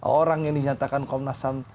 orang yang dinyatakan komnas ham